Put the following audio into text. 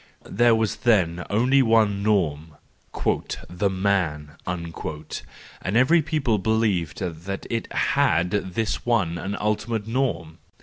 There was then only one norm, " the man "—and every people believed that it t had this one and ultimate norm.